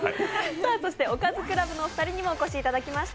おかずクラブのお二人にもお越しいただきました。